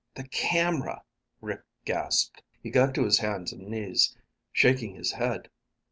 "The camera," Rick gasped. He got to his hands and knees, shaking his head.